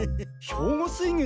兵庫水軍